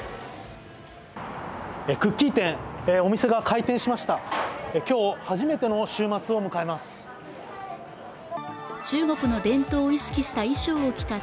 クッキー店お店が開店しました